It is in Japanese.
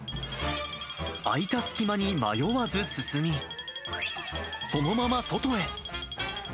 空いた隙間に迷わず進み、そのまま外へ。